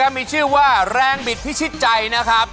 ในช่วงนี้ก็ถึงเวลากับศึกแห่งศักดิ์ศรีของฝ่ายชายกันบ้างล่ะครับ